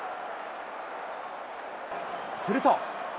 すると。